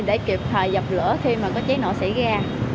để kịp thời dập lửa khi mà có cháy nổ xảy ra